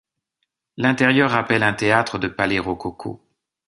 L'intérieur rappelle un théâtre de palais rococo.